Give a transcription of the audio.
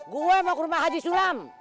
gue mau ke rumah haji sulam